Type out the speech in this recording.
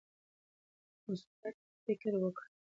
مثبت فکر وکړئ.